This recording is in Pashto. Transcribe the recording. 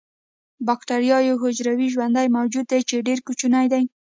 باکتریا یو حجروي ژوندی موجود دی چې ډیر کوچنی دی